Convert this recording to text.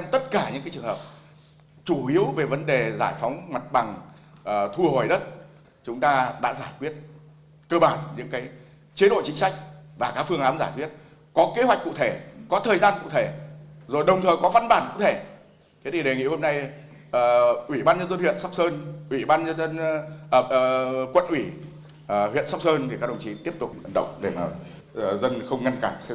quân ủy huyện sóc sơn để các đồng chí tiếp tục ẩn động để mà dân không ngăn cản xe rác vào rộng